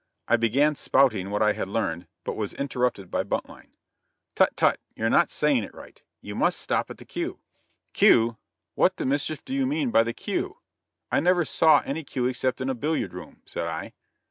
I began "spouting" what I had learned, but was interrupted by Buntline: "Tut! tut! you're not saying it right. You must stop at the cue." "Cue! What the mischief do you mean by the cue? I never saw any cue except in a billiard room," said I.